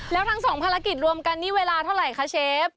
แล้วทั้งสองภารกิจรวมกันนี่เวลาเท่าไหร่คะเชฟ